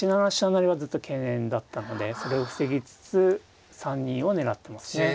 成はずっと懸念だったんでそれを防ぎつつ３二を狙ってますね。